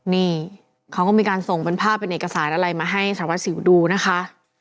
นี่เขาก็มีการส่งเป็นภาพเป็นเอกสารอะไรมาให้สารวัสสิวดูนะคะ